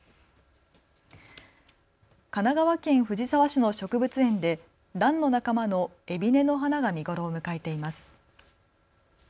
神奈川県藤沢市の植物園でランの仲間のエビネの花が見頃を迎えています。